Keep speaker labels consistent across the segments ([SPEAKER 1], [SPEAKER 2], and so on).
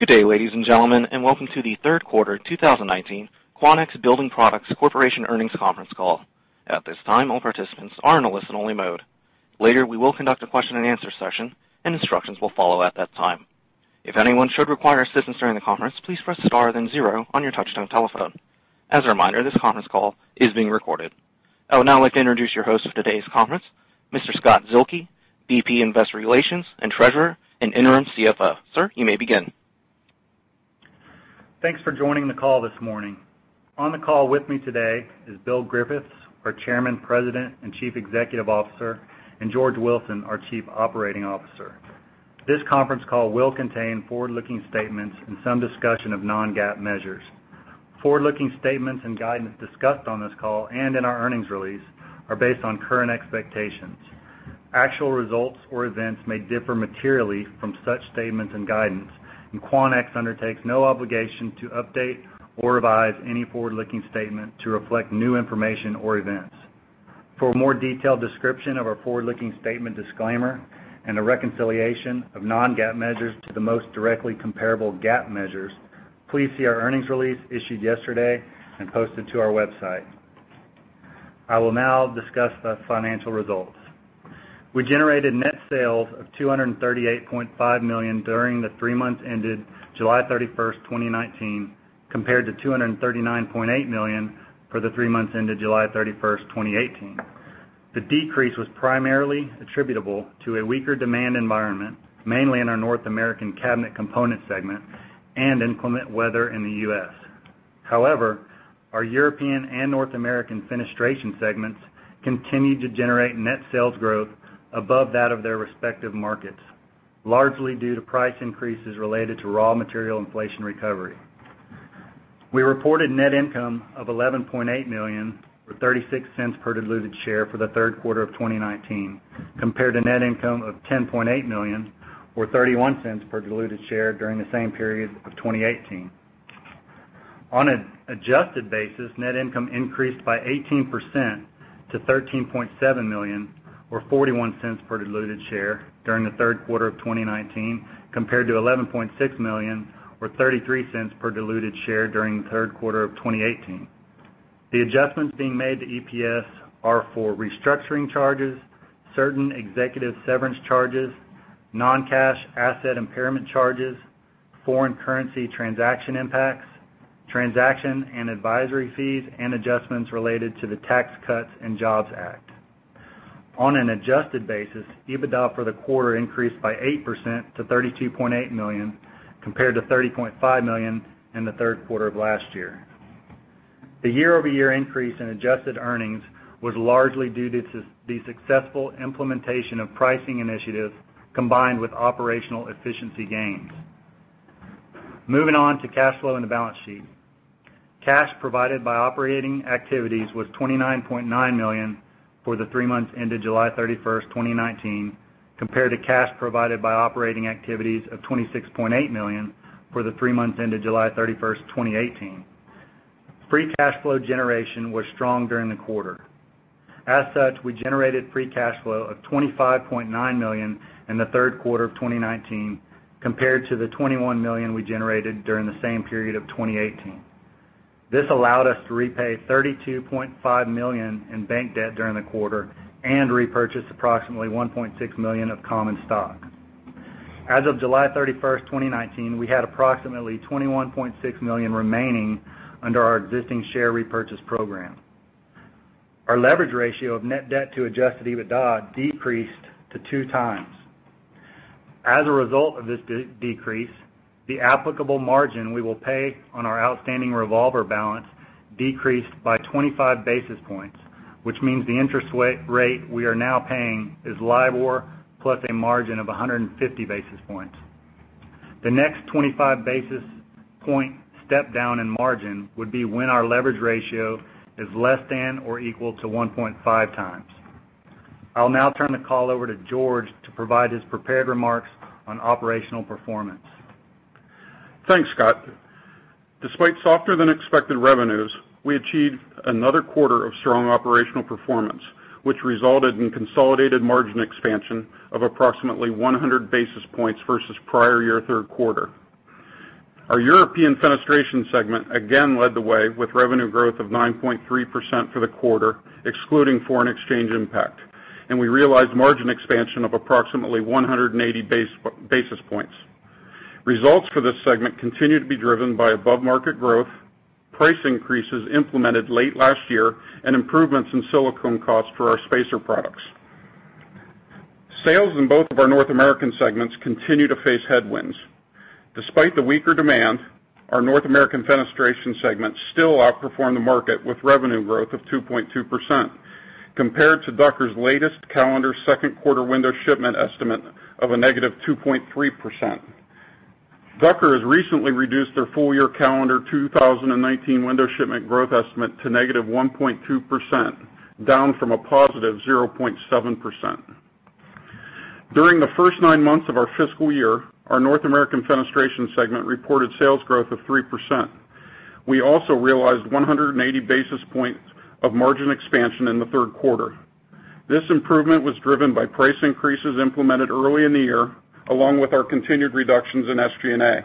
[SPEAKER 1] Good day, ladies and gentlemen. Welcome to the third quarter 2019 Quanex Building Products Corporation earnings conference call. At this time, all participants are in a listen-only mode. Later, we will conduct a question and answer session. Instructions will follow at that time. If anyone should require assistance during the conference, please press star then zero on your touch-tone telephone. As a reminder, this conference call is being recorded. I would now like to introduce your host for today's conference, Mr. Scott Zuehlke, VP Investor Relations and Treasurer and Interim CFO. Sir, you may begin.
[SPEAKER 2] Thanks for joining the call this morning. On the call with me today is Bill Griffiths, our Chairman, President, and Chief Executive Officer, and George Wilson, our Chief Operating Officer. This conference call will contain forward-looking statements and some discussion of non-GAAP measures. Forward-looking statements and guidance discussed on this call and in our earnings release are based on current expectations. Actual results or events may differ materially from such statements and guidance, and Quanex undertakes no obligation to update or revise any forward-looking statement to reflect new information or events. For a more detailed description of our forward-looking statement disclaimer and a reconciliation of non-GAAP measures to the most directly comparable GAAP measures, please see our earnings release issued yesterday and posted to our website. I will now discuss the financial results. We generated net sales of $238.5 million during the three months ended July 31st, 2019, compared to $239.8 million for the three months ended July 31st, 2018. The decrease was primarily attributable to a weaker demand environment, mainly in our North American cabinet component segment and inclement weather in the U.S. Our European and North American fenestration segments continued to generate net sales growth above that of their respective markets, largely due to price increases related to raw material inflation recovery. We reported net income of $11.8 million, or $0.36 per diluted share for the third quarter of 2019, compared to net income of $10.8 million or $0.31 per diluted share during the same period of 2018. On an adjusted basis, net income increased by 18% to $13.7 million, or $0.41 per diluted share during the third quarter of 2019, compared to $11.6 million or $0.33 per diluted share during the third quarter of 2018. The adjustments being made to EPS are for restructuring charges, certain executive severance charges, non-cash asset impairment charges, foreign currency transaction impacts, transaction and advisory fees, and adjustments related to the Tax Cuts and Jobs Act. On an adjusted basis, EBITDA for the quarter increased by 8% to $32.8 million, compared to $30.5 million in the third quarter of last year. The year-over-year increase in adjusted earnings was largely due to the successful implementation of pricing initiatives, combined with operational efficiency gains. Moving on to cash flow and the balance sheet. Cash provided by operating activities was $29.9 million for the three months ended July 31st, 2019, compared to cash provided by operating activities of $26.8 million for the three months ended July 31st, 2018. Free cash flow generation was strong during the quarter. As such, we generated free cash flow of $25.9 million in the third quarter of 2019, compared to the $21 million we generated during the same period of 2018. This allowed us to repay $32.5 million in bank debt during the quarter and repurchase approximately $1.6 million of common stock. As of July 31st, 2019, we had approximately $21.6 million remaining under our existing share repurchase program. Our leverage ratio of net debt to adjusted EBITDA decreased to two times. As a result of this decrease, the applicable margin we will pay on our outstanding revolver balance decreased by 25 basis points, which means the interest rate we are now paying is LIBOR plus a margin of 150 basis points. The next 25 basis point step-down in margin would be when our leverage ratio is less than or equal to 1.5 times. I'll now turn the call over to George to provide his prepared remarks on operational performance.
[SPEAKER 3] Thanks, Scott. Despite softer than expected revenues, we achieved another quarter of strong operational performance, which resulted in consolidated margin expansion of approximately 100 basis points versus prior year third quarter. Our European fenestration segment again led the way with revenue growth of 9.3% for the quarter, excluding foreign exchange impact, and we realized margin expansion of approximately 180 basis points. Results for this segment continue to be driven by above-market growth, price increases implemented late last year, and improvements in silicone costs for our spacer products. Sales in both of our North American segments continue to face headwinds. Despite the weaker demand, our North American fenestration segment still outperformed the market with revenue growth of 2.2%, compared to Ducker's latest calendar second quarter window shipment estimate of a negative 2.3%. Ducker has recently reduced their full-year calendar 2019 window shipment growth estimate to negative 1.2%, down from a positive 0.7%. During the first nine months of our fiscal year, our North American fenestration segment reported sales growth of 3%. We also realized 180 basis points of margin expansion in the third quarter. This improvement was driven by price increases implemented early in the year, along with our continued reductions in SG&A.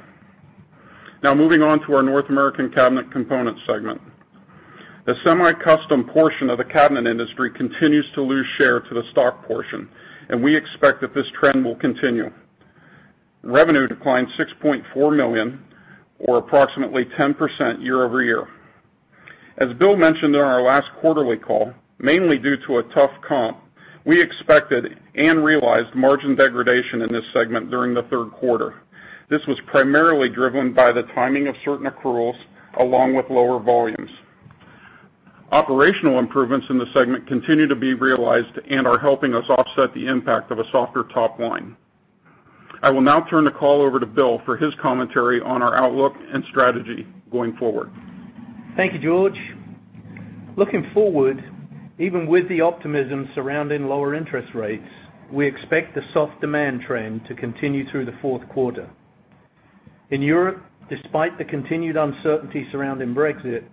[SPEAKER 3] Moving on to our North American Cabinet Components segment. The semi-custom portion of the cabinet industry continues to lose share to the stock portion, and we expect that this trend will continue. Revenue declined $6.4 million, or approximately 10% year-over-year. As Bill mentioned in our last quarterly call, mainly due to a tough comp, we expected and realized margin degradation in this segment during the third quarter. This was primarily driven by the timing of certain accruals, along with lower volumes. Operational improvements in the segment continue to be realized and are helping us offset the impact of a softer top line. I will now turn the call over to Bill for his commentary on our outlook and strategy going forward.
[SPEAKER 4] Thank you, George. Looking forward, even with the optimism surrounding lower interest rates, we expect the soft demand trend to continue through the fourth quarter. In Europe, despite the continued uncertainty surrounding Brexit,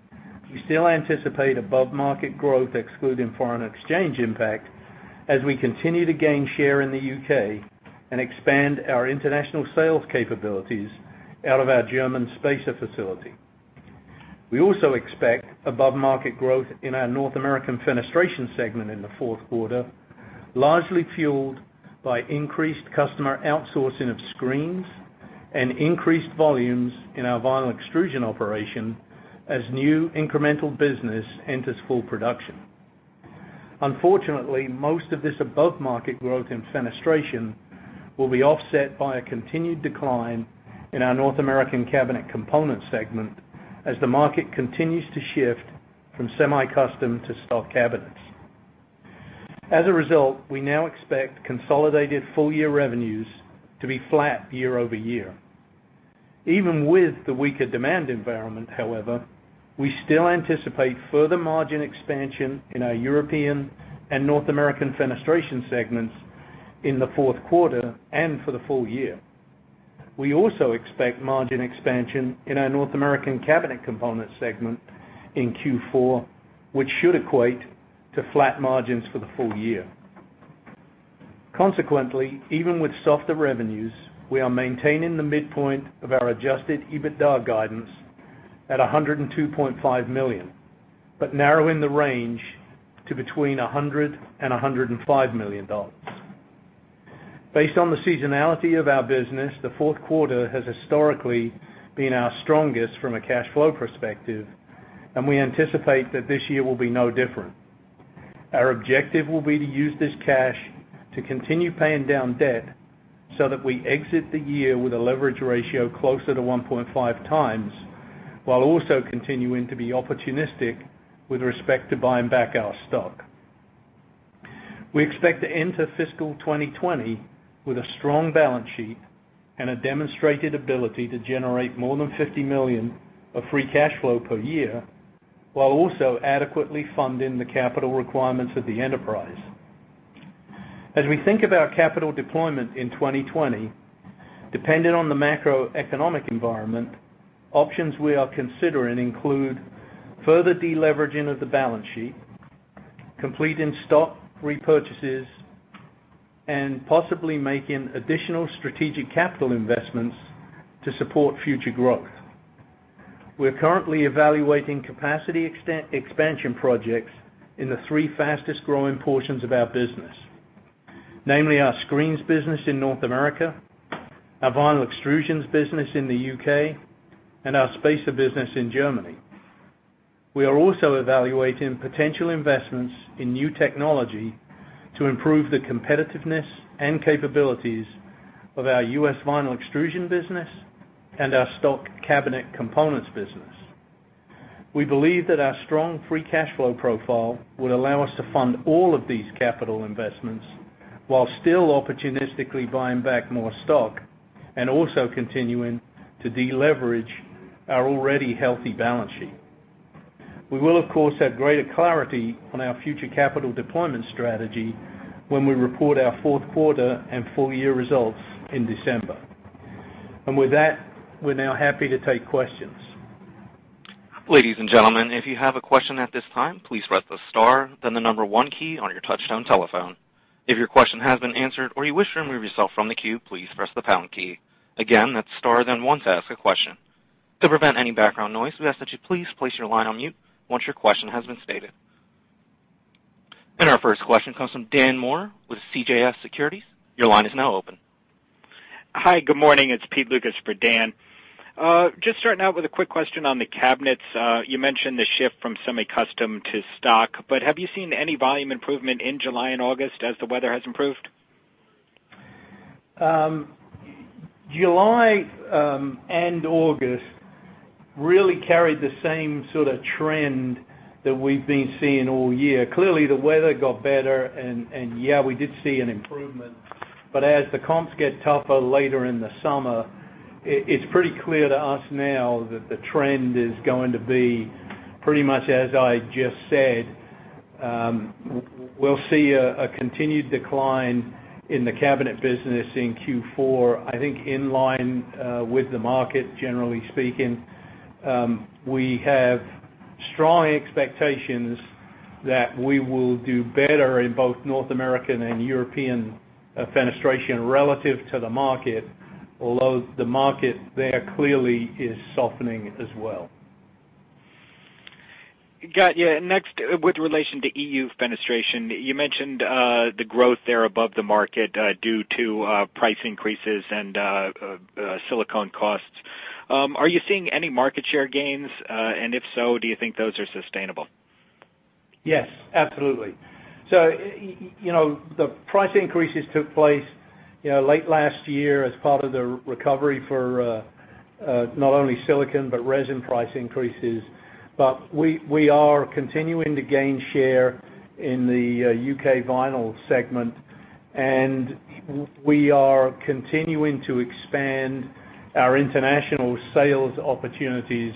[SPEAKER 4] we still anticipate above-market growth, excluding foreign exchange impact, as we continue to gain share in the U.K. and expand our international sales capabilities out of our German spacer facility. We also expect above-market growth in our North American fenestration segment in the fourth quarter, largely fueled by increased customer outsourcing of screens and increased volumes in our vinyl extrusion operation as new incremental business enters full production. Unfortunately, most of this above-market growth in fenestration will be offset by a continued decline in our North American cabinet component segment as the market continues to shift from semi-custom to stock cabinets. As a result, we now expect consolidated full-year revenues to be flat year-over-year. Even with the weaker demand environment, however, we still anticipate further margin expansion in our European and North American fenestration segments in the fourth quarter and for the full year. We also expect margin expansion in our North American cabinet component segment in Q4, which should equate to flat margins for the full year. Even with softer revenues, we are maintaining the midpoint of our adjusted EBITDA guidance at $102.5 million, but narrowing the range to between $100 and $105 million. Based on the seasonality of our business, the fourth quarter has historically been our strongest from a cash flow perspective, and we anticipate that this year will be no different. Our objective will be to use this cash to continue paying down debt so that we exit the year with a leverage ratio closer to 1.5 times, while also continuing to be opportunistic with respect to buying back our stock. We expect to enter fiscal 2020 with a strong balance sheet and a demonstrated ability to generate more than $50 million of free cash flow per year, while also adequately funding the capital requirements of the enterprise. As we think about capital deployment in 2020, depending on the macroeconomic environment, options we are considering include further deleveraging of the balance sheet, completing stock repurchases, and possibly making additional strategic capital investments to support future growth. We are currently evaluating capacity expansion projects in the three fastest-growing portions of our business, namely our screens business in North America, our vinyl extrusions business in the U.K., and our spacer business in Germany. We are also evaluating potential investments in new technology to improve the competitiveness and capabilities of our U.S. vinyl extrusion business and our stock cabinet components business. We believe that our strong free cash flow profile will allow us to fund all of these capital investments while still opportunistically buying back more stock and also continuing to deleverage our already healthy balance sheet. We will, of course, have greater clarity on our future capital deployment strategy when we report our fourth quarter and full-year results in December. With that, we're now happy to take questions.
[SPEAKER 1] Ladies and gentlemen, if you have a question at this time, please press the star, then the number 1 key on your touch-tone telephone. If your question has been answered or you wish to remove yourself from the queue, please press the pound key. Again, that's star then 1 to ask a question. To prevent any background noise, we ask that you please place your line on mute once your question has been stated. Our first question comes from Daniel Moore with CJS Securities. Your line is now open.
[SPEAKER 5] Hi, good morning. It's Pete Lucas for Dan. Just starting out with a quick question on the cabinets. Have you seen any volume improvement in July and August as the weather has improved?
[SPEAKER 4] July and August really carried the same sort of trend that we've been seeing all year. Clearly, the weather got better, and yeah, we did see an improvement. As the comps get tougher later in the summer, it's pretty clear to us now that the trend is going to be pretty much as I just said. We'll see a continued decline in the cabinet business in Q4, I think, in line with the market, generally speaking. We have strong expectations that we will do better in both North American and European fenestration relative to the market, although the market there clearly is softening as well.
[SPEAKER 5] Got you. Next, with relation to EU fenestration, you mentioned the growth there above the market due to price increases and silicone costs. Are you seeing any market share gains? If so, do you think those are sustainable?
[SPEAKER 4] Yes, absolutely. The price increases took place late last year as part of the recovery for not only silicone but resin price increases. We are continuing to gain share in the U.K. vinyl segment, and we are continuing to expand our international sales opportunities,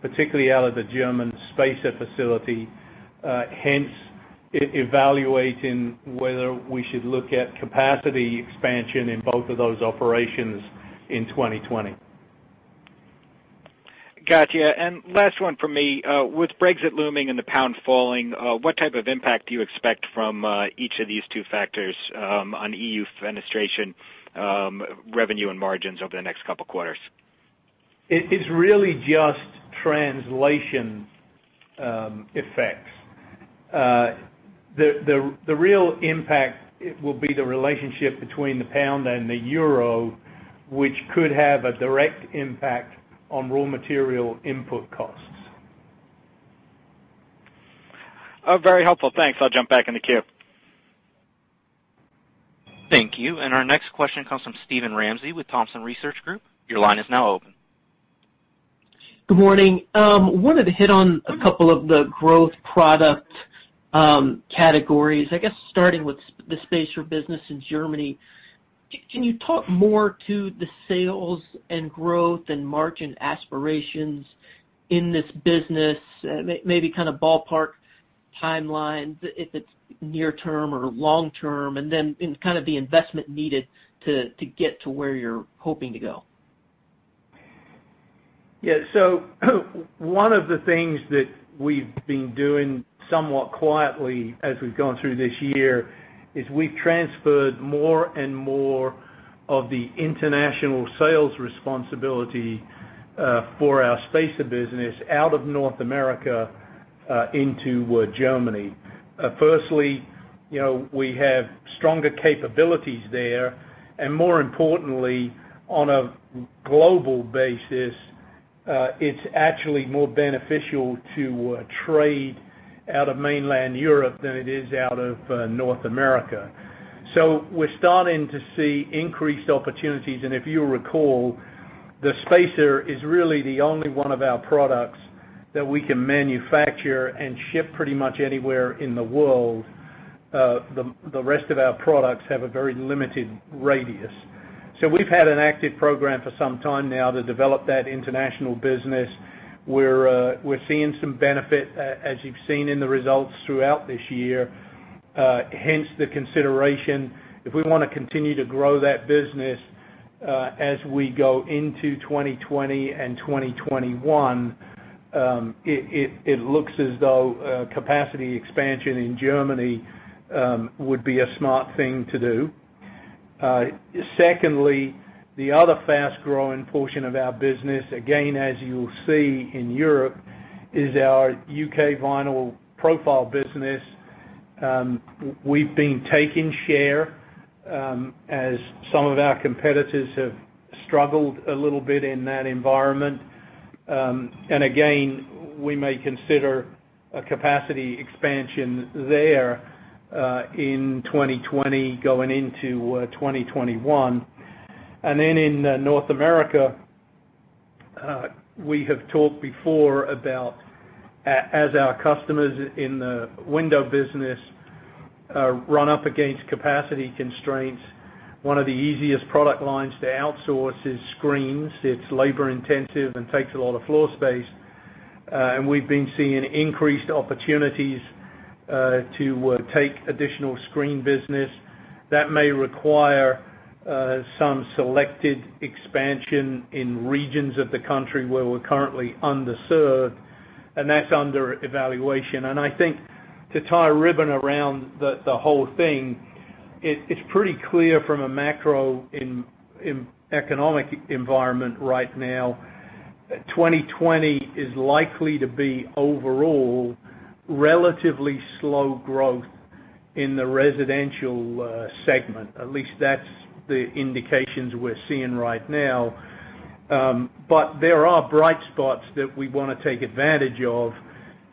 [SPEAKER 4] particularly out of the German spacer facility. Evaluating whether we should look at capacity expansion in both of those operations in 2020.
[SPEAKER 5] Got you. Last one from me. With Brexit looming and the pound falling, what type of impact do you expect from each of these two factors on EU fenestration revenue and margins over the next couple of quarters?
[SPEAKER 4] It's really just translation effects. The real impact will be the relationship between the pound and the euro, which could have a direct impact on raw material input costs.
[SPEAKER 5] Very helpful. Thanks. I'll jump back in the queue.
[SPEAKER 1] Thank you. Our next question comes from Steven Ramsey with Thompson Research Group. Your line is now open.
[SPEAKER 6] Good morning. I wanted to hit on a couple of the growth product categories. I guess starting with the spacer business in Germany. Can you talk more to the sales and growth and margin aspirations in this business? Maybe ballpark timelines, if it's near term or long term, and then the investment needed to get to where you're hoping to go.
[SPEAKER 4] Yeah. One of the things that we've been doing somewhat quietly as we've gone through this year is we've transferred more and more of the international sales responsibility for our spacer business out of North America into Germany. Firstly, we have stronger capabilities there, and more importantly, on a global basis, it's actually more beneficial to trade out of mainland Europe than it is out of North America. We're starting to see increased opportunities, and if you recall, the spacer is really the only one of our products that we can manufacture and ship pretty much anywhere in the world. The rest of our products have a very limited radius. We've had an active program for some time now to develop that international business. We're seeing some benefit, as you've seen in the results throughout this year. The consideration, if we want to continue to grow that business as we go into 2020 and 2021, it looks as though capacity expansion in Germany would be a smart thing to do. Secondly, the other fast-growing portion of our business, again, as you'll see in Europe, is our U.K. vinyl profile business. We've been taking share as some of our competitors have struggled a little bit in that environment. Again, we may consider a capacity expansion there in 2020 going into 2021. In North America, we have talked before about as our customers in the window business run up against capacity constraints, one of the easiest product lines to outsource is screens. It's labor-intensive and takes a lot of floor space. We've been seeing increased opportunities to take additional screen business. That may require some selected expansion in regions of the country where we're currently underserved, and that's under evaluation. I think to tie a ribbon around the whole thing, it's pretty clear from a macroeconomic environment right now, 2020 is likely to be overall relatively slow growth in the residential segment. At least that's the indications we're seeing right now. There are bright spots that we want to take advantage of,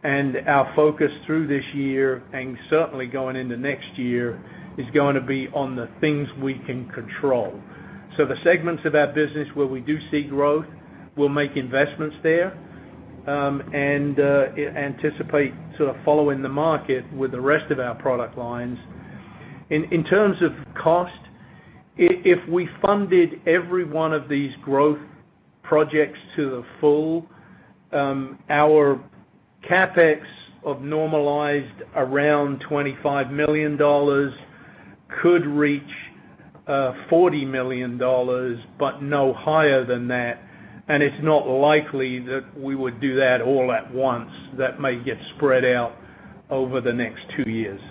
[SPEAKER 4] and our focus through this year and certainly going into next year, is going to be on the things we can control. The segments of our business where we do see growth, we'll make investments there, and anticipate to following the market with the rest of our product lines. In terms of cost. If we funded every one of these growth projects to the full, our CapEx of normalized around $25 million could reach $40 million. No higher than that. It's not likely that we would do that all at once. That may get spread out over the next two years.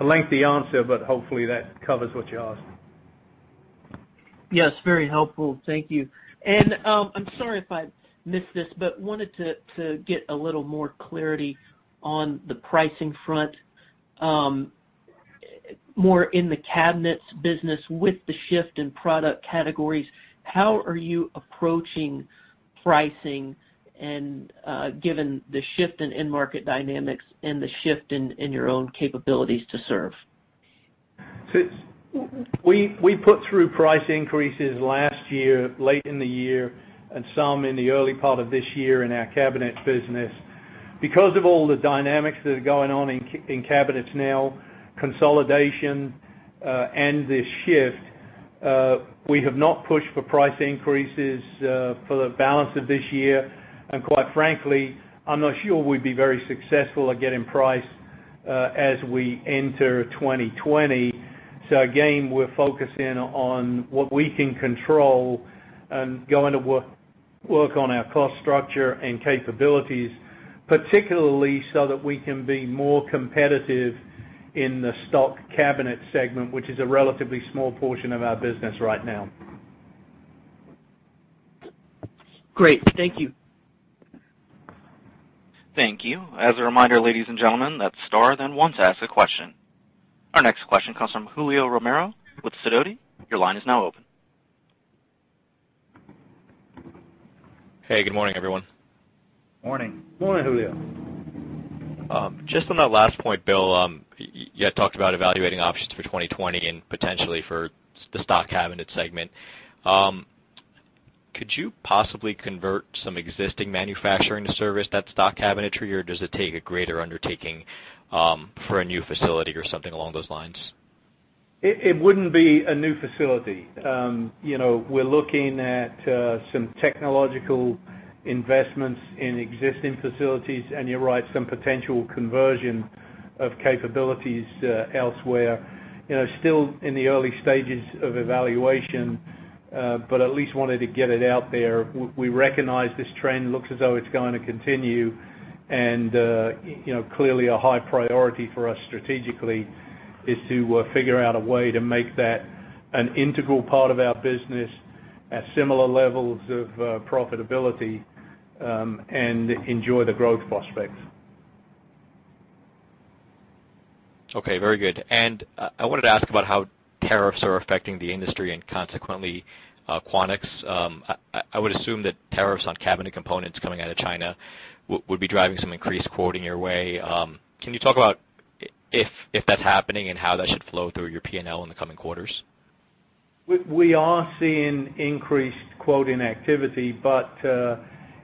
[SPEAKER 4] A lengthy answer. Hopefully that covers what you asked.
[SPEAKER 6] Yes, very helpful. Thank you. I'm sorry if I missed this, but wanted to get a little more clarity on the pricing front. More in the cabinets business with the shift in product categories, how are you approaching pricing and, given the shift in end market dynamics and the shift in your own capabilities to serve?
[SPEAKER 4] Since we put through price increases last year, late in the year, and some in the early part of this year in our cabinets business. Because of all the dynamics that are going on in cabinets now, consolidation, and this shift, we have not pushed for price increases for the balance of this year. Quite frankly, I'm not sure we'd be very successful at getting price as we enter 2020. Again, we're focusing on what we can control and going to work on our cost structure and capabilities, particularly so that we can be more competitive in the stock cabinet segment, which is a relatively small portion of our business right now.
[SPEAKER 6] Great. Thank you.
[SPEAKER 1] Thank you. As a reminder, ladies and gentlemen, that's star then one to ask a question. Our next question comes from Julio Romero with Sidoti. Your line is now open.
[SPEAKER 7] Hey, good morning, everyone.
[SPEAKER 2] Morning. Morning, Julio.
[SPEAKER 7] Just on that last point, Bill, you had talked about evaluating options for 2020 and potentially for the stock cabinet segment. Could you possibly convert some existing manufacturing to service that stock cabinetry, or does it take a greater undertaking for a new facility or something along those lines?
[SPEAKER 4] It wouldn't be a new facility. We're looking at some technological investments in existing facilities, and you're right, some potential conversion of capabilities elsewhere. Still in the early stages of evaluation, but at least wanted to get it out there. We recognize this trend looks as though it's going to continue and clearly a high priority for us strategically is to figure out a way to make that an integral part of our business at similar levels of profitability, and enjoy the growth prospects.
[SPEAKER 7] Okay. Very good. I wanted to ask about how tariffs are affecting the industry and consequently Quanex. I would assume that tariffs on cabinet components coming out of China would be driving some increased quoting your way. Can you talk about if that's happening and how that should flow through your P&L in the coming quarters?
[SPEAKER 4] We are seeing increased quoting activity.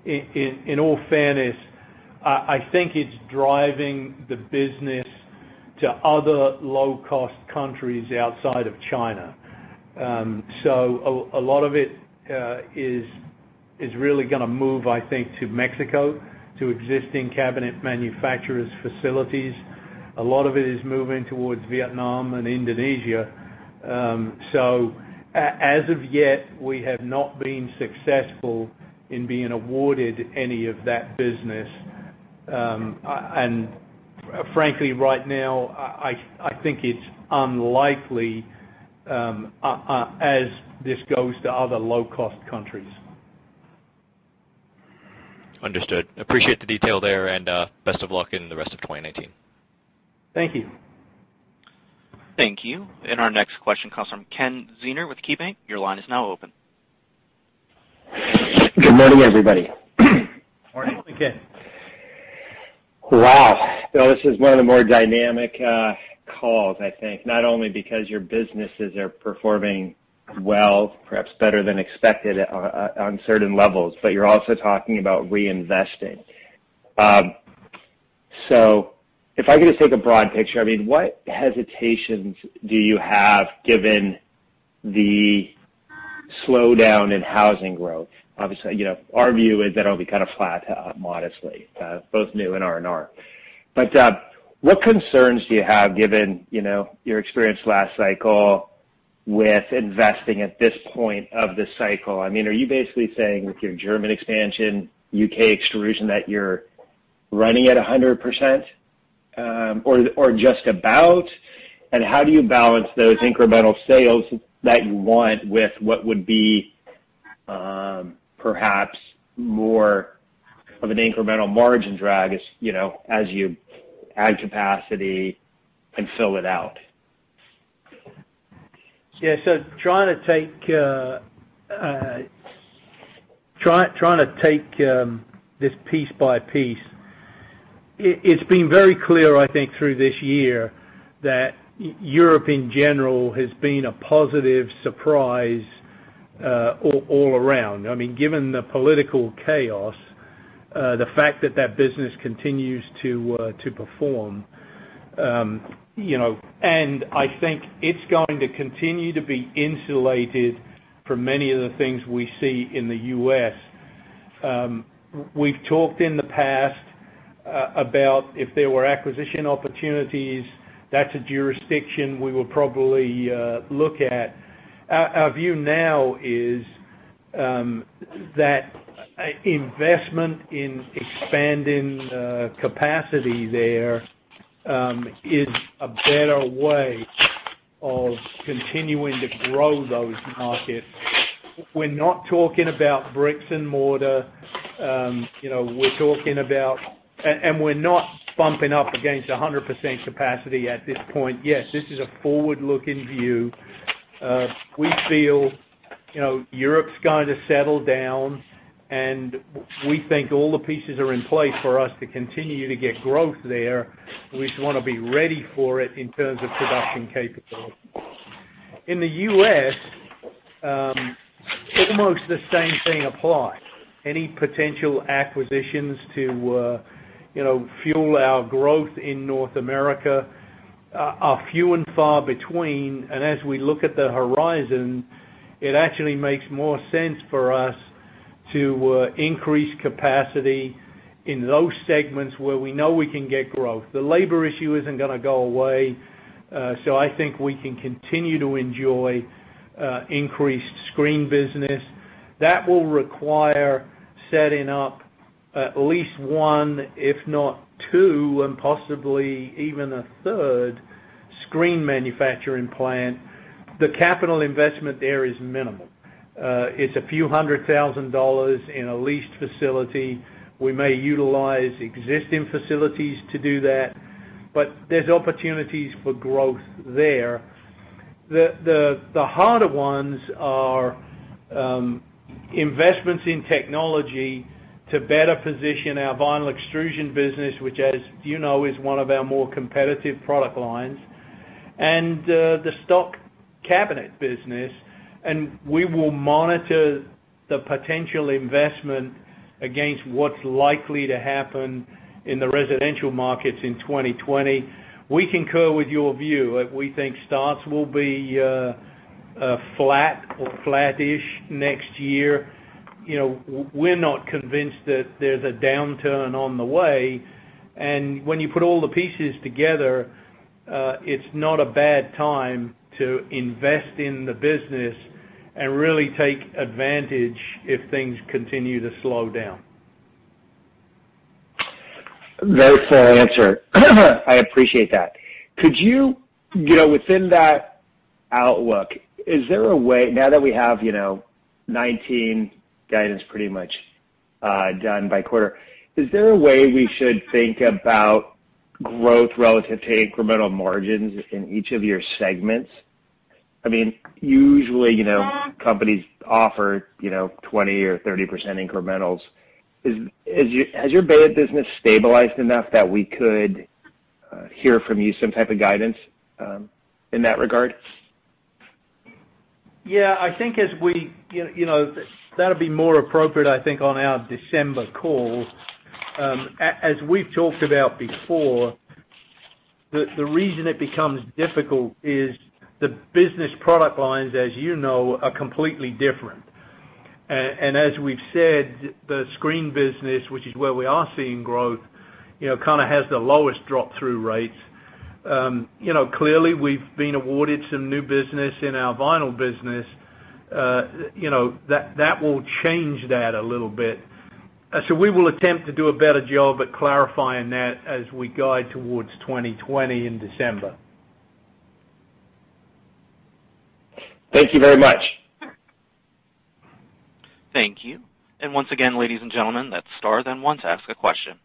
[SPEAKER 4] In all fairness, I think it's driving the business to other low-cost countries outside of China. A lot of it is really going to move, I think, to Mexico, to existing cabinet manufacturers' facilities. A lot of it is moving towards Vietnam and Indonesia. As of yet, we have not been successful in being awarded any of that business. Frankly, right now, I think it's unlikely as this goes to other low-cost countries.
[SPEAKER 7] Understood. Appreciate the detail there, and best of luck in the rest of 2019.
[SPEAKER 4] Thank you.
[SPEAKER 1] Thank you. Our next question comes from Ken Zener with KeyBanc. Your line is now open.
[SPEAKER 8] Good morning, everybody.
[SPEAKER 2] Morning. Morning, Ken.
[SPEAKER 8] Wow. Bill, this is one of the more dynamic calls, I think, not only because your businesses are performing well, perhaps better than expected on certain levels, but you're also talking about reinvesting. If I could just take a broad picture, what hesitations do you have given the slowdown in housing growth? Obviously, our view is that it'll be flat modestly, both new and R&R. What concerns do you have given your experience last cycle with investing at this point of the cycle? Are you basically saying with your German expansion, U.K. extrusion, that you're running at 100%, or just about? How do you balance those incremental sales that you want with what would be perhaps more of an incremental margin drag as you add capacity and fill it out?
[SPEAKER 4] Trying to take this piece by piece. It's been very clear, I think, through this year that Europe in general has been a positive surprise all around, given the political chaos, the fact that that business continues to perform. I think it's going to continue to be insulated from many of the things we see in the U.S. We've talked in the past about if there were acquisition opportunities, that's a jurisdiction we will probably look at. Our view now is that investment in expanding capacity there is a better way of continuing to grow those markets. We're not talking about bricks and mortar. We're not bumping up against 100% capacity at this point. Yes, this is a forward-looking view. We feel Europe's going to settle down, and we think all the pieces are in place for us to continue to get growth there. We just want to be ready for it in terms of production capability. In the U.S., almost the same thing applies. Any potential acquisitions to fuel our growth in North America are few and far between. As we look at the horizon, it actually makes more sense for us to increase capacity in those segments where we know we can get growth. The labor issue isn't going to go away. I think we can continue to enjoy increased screen business. That will require setting up at least one, if not two, and possibly even a third screen manufacturing plant. The capital investment there is minimal. It's a few hundred thousand dollars in a leased facility. We may utilize existing facilities to do that, but there's opportunities for growth there. The harder ones are investments in technology to better position our vinyl extrusion business, which as you know is one of our more competitive product lines, and the stock cabinet business. We will monitor the potential investment against what's likely to happen in the residential markets in 2020. We concur with your view. We think starts will be flat or flat-ish next year. We're not convinced that there's a downturn on the way, and when you put all the pieces together, it's not a bad time to invest in the business and really take advantage if things continue to slow down.
[SPEAKER 8] Very fair answer. I appreciate that. Within that outlook, now that we have 2019 guidance pretty much done by quarter, is there a way we should think about growth relative to incremental margins in each of your segments? Usually companies offer 20% or 30% incrementals. Has your base business stabilized enough that we could hear from you some type of guidance in that regard?
[SPEAKER 4] Yeah, that'll be more appropriate, I think, on our December call. As we've talked about before, the reason it becomes difficult is the business product lines, as you know, are completely different. As we've said, the screen business, which is where we are seeing growth, kind of has the lowest drop-through rates. Clearly, we've been awarded some new business in our vinyl business. That will change that a little bit. We will attempt to do a better job at clarifying that as we guide towards 2020 in December.
[SPEAKER 8] Thank you very much.
[SPEAKER 1] Thank you. Once again, ladies and gentlemen, that's star then one to ask a question.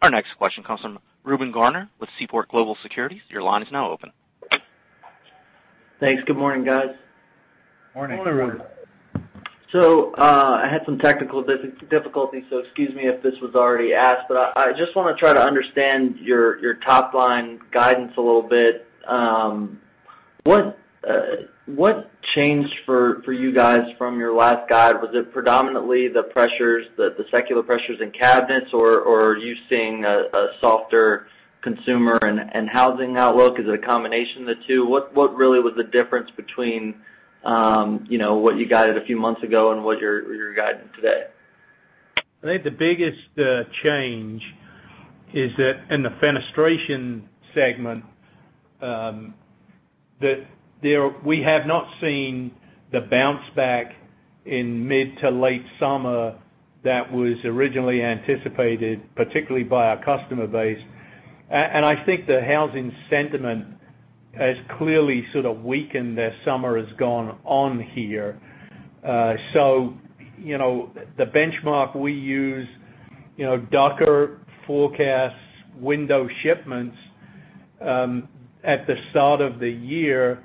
[SPEAKER 1] Our next question comes from Reuben Garner with Seaport Global Securities. Your line is now open.
[SPEAKER 9] Thanks. Good morning, guys.
[SPEAKER 4] Morning.
[SPEAKER 2] Morning, Reuben.
[SPEAKER 9] I had some technical difficulties, so excuse me if this was already asked, but I just want to try to understand your top-line guidance a little bit. What changed for you guys from your last guide? Was it predominantly the secular pressures in cabinets, or are you seeing a softer consumer and housing outlook? Is it a combination of the two? What really was the difference between what you guided a few months ago and what you're guiding today?
[SPEAKER 4] I think the biggest change is that in the fenestration segment, that we have not seen the bounce back in mid to late summer that was originally anticipated, particularly by our customer base. I think the housing sentiment has clearly sort of weakened as summer has gone on here. The benchmark we use, Ducker forecasts window shipments at the start of the year.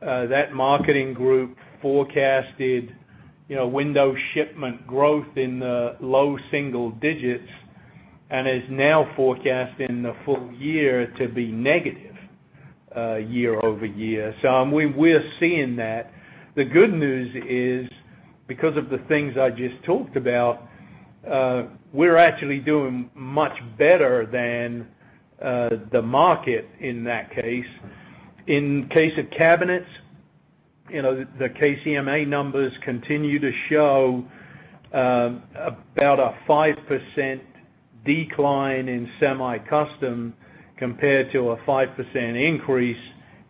[SPEAKER 4] That marketing group forecasted window shipment growth in the low single digits and is now forecasting the full year to be negative year-over-year. We're seeing that. The good news is, because of the things I just talked about, we're actually doing much better than the market in that case. In case of cabinets, the KCMA numbers continue to show about a 5% decline in semi-custom compared to a 5% increase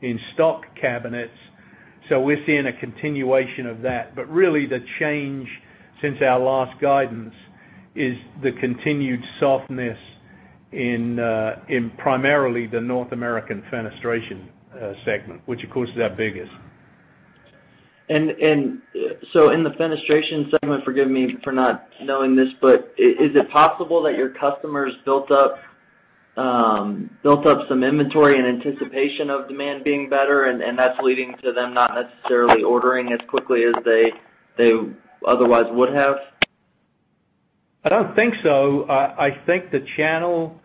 [SPEAKER 4] in stock cabinets. We're seeing a continuation of that. Really, the change since our last guidance is the continued softness in primarily the North American fenestration segment, which of course is our biggest.
[SPEAKER 9] In the fenestration segment, forgive me for not knowing this, but is it possible that your customers built up some inventory in anticipation of demand being better, and that's leading to them not necessarily ordering as quickly as they otherwise would have?
[SPEAKER 4] I don't think so. I think the channel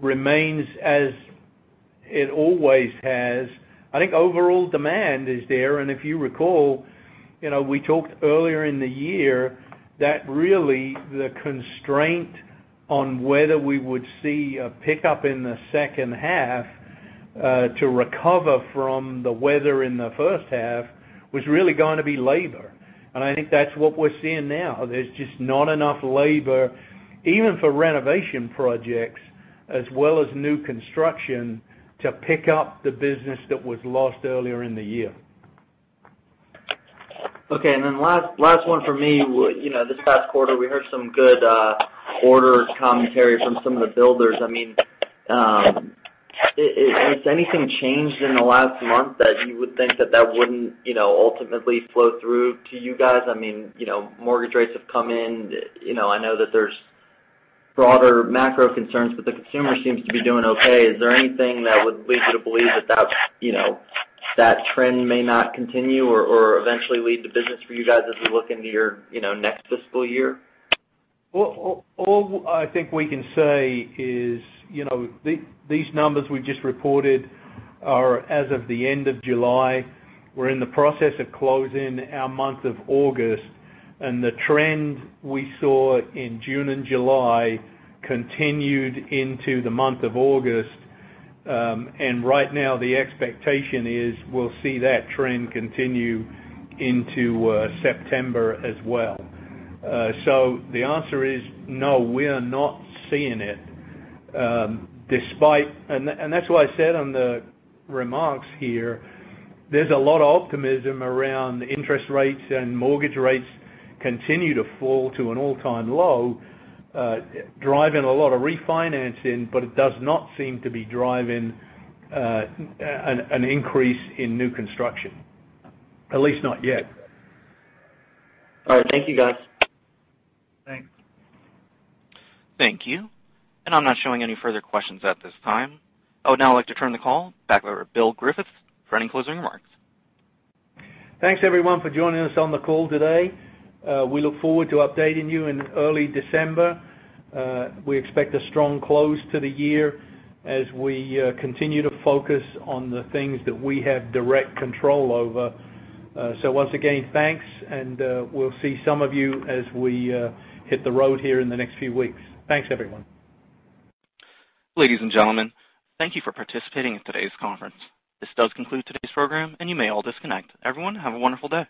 [SPEAKER 4] remains as it always has. I think overall demand is there. If you recall, we talked earlier in the year that really the constraint on whether we would see a pickup in the second half to recover from the weather in the first half was really going to be labor. I think that's what we're seeing now. There's just not enough labor, even for renovation projects, as well as new construction, to pick up the business that was lost earlier in the year.
[SPEAKER 9] Okay, last one from me. This past quarter, we heard some good orders commentary from some of the builders. Has anything changed in the last month that you would think that that wouldn't ultimately flow through to you guys? Mortgage rates have come in. I know that there's broader macro concerns, the consumer seems to be doing okay. Is there anything that would lead you to believe that that trend may not continue or eventually lead to business for you guys as we look into your next fiscal year?
[SPEAKER 4] All I think we can say is these numbers we just reported are as of the end of July. We're in the process of closing our month of August, and the trend we saw in June and July continued into the month of August. Right now, the expectation is we'll see that trend continue into September as well. The answer is no, we are not seeing it. That's why I said on the remarks here, there's a lot of optimism around interest rates, and mortgage rates continue to fall to an all-time low, driving a lot of refinancing, but it does not seem to be driving an increase in new construction, at least not yet.
[SPEAKER 9] All right. Thank you, guys.
[SPEAKER 4] Thanks.
[SPEAKER 1] Thank you. I'm not showing any further questions at this time. I would now like to turn the call back over to Bill Griffiths for any closing remarks.
[SPEAKER 4] Thanks, everyone, for joining us on the call today. We look forward to updating you in early December. We expect a strong close to the year as we continue to focus on the things that we have direct control over. Once again, thanks, and we'll see some of you as we hit the road here in the next few weeks. Thanks, everyone.
[SPEAKER 1] Ladies and gentlemen, thank you for participating in today's conference. This does conclude today's program, and you may all disconnect. Everyone, have a wonderful day.